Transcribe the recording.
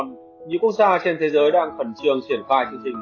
nhiều quốc gia trên thế giới đang phẩn trường triển khai chương trình